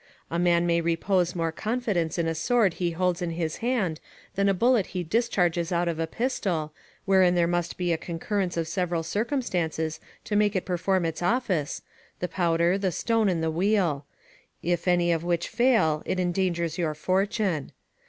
A man may repose more confidence in a sword he holds in his hand than in a bullet he discharges out of a pistol, wherein there must be a concurrence of several circumstances to make it perform its office, the powder, the stone, and the wheel: if any of which fail it endangers your fortune.